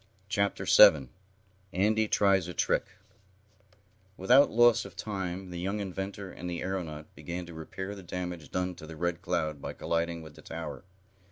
Chapter 7 Andy Tries a Trick Without loss of time the young inventor and the aeronaut began to repair the damage done to the Red Cloud by colliding with the tower.